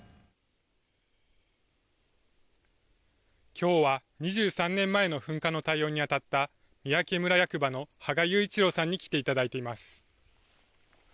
きょうは２３年前の噴火の対応に当たった、三宅村役場の芳賀雄一郎さんに来ていただいています。